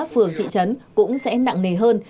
phường thị trấn cũng sẽ nặng nề hơn